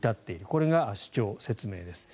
これが主張、説明です。